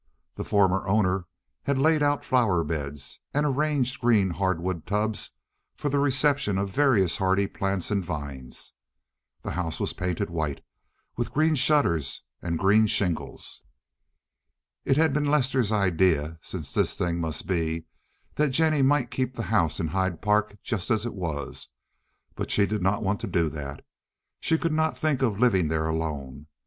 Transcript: The former owner had laid out flower beds, and arranged green hardwood tubs for the reception of various hardy plants and vines. The house was painted white, with green shutters and green shingles. It had been Lester's idea, since this thing must be, that Jennie might keep the house in Hyde Park just as it was, but she did not want to do that. She could not think of living there alone.